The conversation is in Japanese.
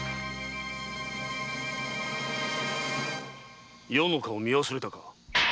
⁉余の顔を見忘れたか。